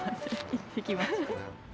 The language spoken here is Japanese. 行ってきました。